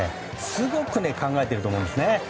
すごく考えてると思うんですね。